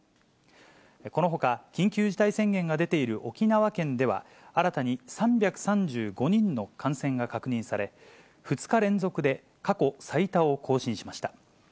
このほか、緊急事態宣言が出ている沖縄県では、新たに３３５人の感染が確認され、２日連続で過去最多を更新しました。